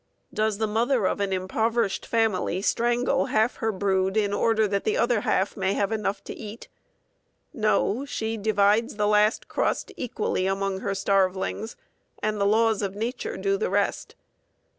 Does the mother of an impoverished family strangle half her brood in order that the other half may have enough to eat? No; she divides the last crust equally among her starvelings, and the laws of nature do the rest.